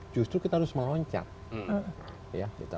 justru kita harus meloncat